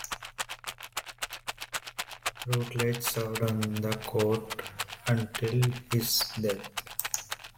Rutledge served on the court until his death.